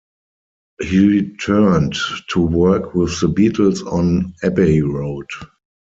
He returned to work with the Beatles on "Abbey Road".